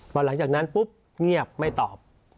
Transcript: พอหลังจากนั้นปุ๊บเงียบไม่ตอบ